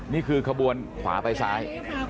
นี่คือขบวนขวาไปซ้าย